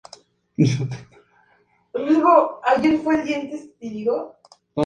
No hay otros datos que demuestren que ambos grupos comparten un antepasado común.